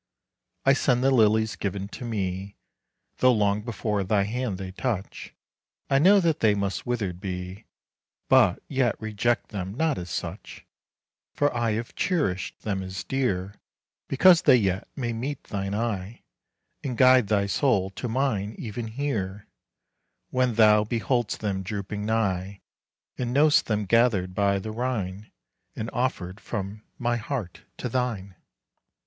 20 I send the lilies given to me; Though long before thy hand they touch, I know that they must withered be, But yet reject them not as such; For I have cherished them as dear, 25 Because they yet may meet thine eye, And guide thy soul to mine even here, When thou behold'st them drooping nigh, And know'st them gathered by the Rhine, And offered from my heart to thine!